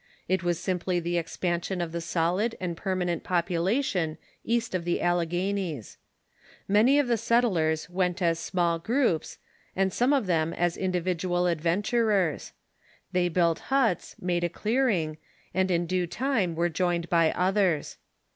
It was simply the expansion of the solid and permanent population east of the Alle ^^^Cun^T"^ ghanies. Many of the settlers Avent as small groups, and some of them as individual adven turers. They built huts, made a clearing, and in due time were joined by others.